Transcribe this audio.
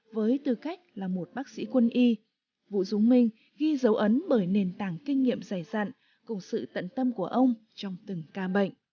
với tư cách là một bác sĩ quân y vũ dũng minh ghi dấu ấn bởi nền tảng kinh nghiệm dày dặn cùng sự tận tâm của ông trong từng ca bệnh